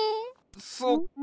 そっか。